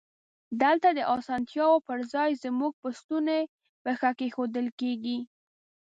دلته د اسانتیاوو پر ځای زمونږ په ستونی پښه کېښودل کیږی.